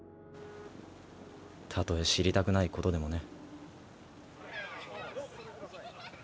たとえ知りたくないことでもね。